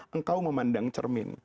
engkau memandang cermin